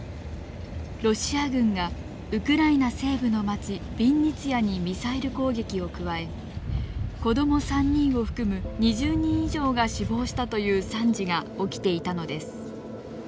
ロシア軍がウクライナ西部の町ビンニツィアにミサイル攻撃を加え子ども３人を含む２０人以上が死亡したという惨事が起きていたのです。